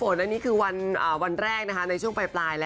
๕๐ล้านนี่คือตามปะอ่อนตันใจเลย